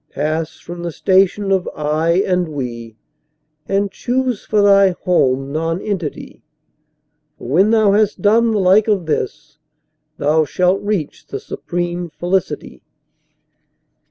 Pass from the station of "I" and "We," and choose for thy home Nonentity, For when thou has done the like of this, thou shalt reach the supreme Felicity.